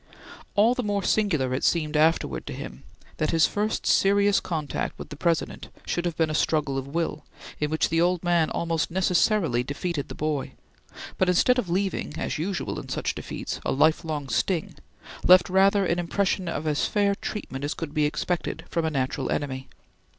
All the more singular it seemed afterwards to him that his first serious contact with the President should have been a struggle of will, in which the old man almost necessarily defeated the boy, but instead of leaving, as usual in such defeats, a lifelong sting, left rather an impression of as fair treatment as could be expected from a natural enemy.